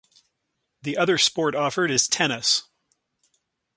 The other sport offered is tennis.